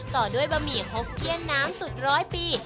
ต่อด้วยบะหมี่หกเกี้ยนน้ำสุดร้อยปี